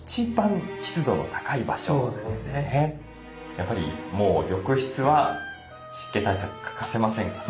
やっぱりもう浴室は湿気対策欠かせませんよね。